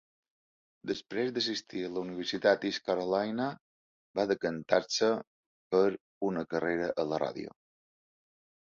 Després d'assistir a la Universitat East Carolina, va decantar-se per una carrera a la ràdio.